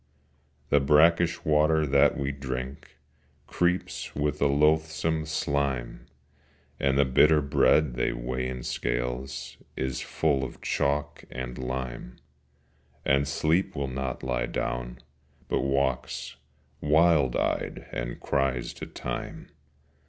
The brackish water that we drink Creeps with a loathsome slime, And the bitter bread they weigh in scales Is full of chalk and lime, And Sleep will not lie down, but walks Wild eyed, and cries to Time.